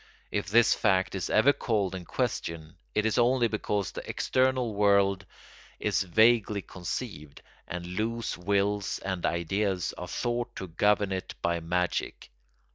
If this fact is ever called in question, it is only because the external world is vaguely conceived, and loose wills and ideas are thought to govern it by magic.